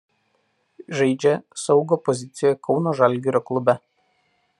Žaidžia saugo pozicijoje Kauno „Žalgirio“ klube.